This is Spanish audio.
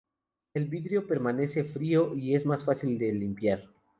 El vidrio permanece frío y es más fácil de limpiar.